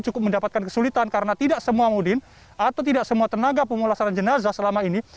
cukup mendapatkan kesulitan karena tidak semua mudin atau tidak semua tenaga pemulasaran jenazah selama ini